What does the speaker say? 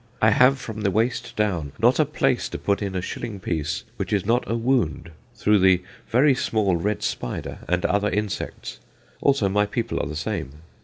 I have from the wrist down not a place to put in a shilling piece which is not a wound, through the very small red spider and other insects. Also my people are the same.